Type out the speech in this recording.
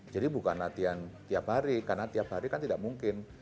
jadi bukan latihan tiap hari karena tiap hari kan tidak mungkin